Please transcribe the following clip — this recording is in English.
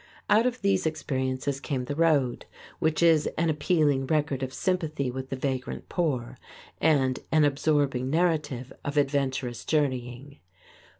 Out of these experiences came "The Road," which is an appealing record of sympathy with the vagrant poor, and an absorbing narrative of adventurous journeying.